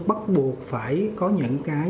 bắt buộc phải có những cái